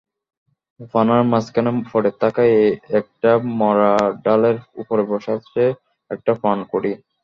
পানার মাঝখানে পড়ে থাকা একটা মরা ডালের ওপর বসে আছে একটা পানকৌড়ি।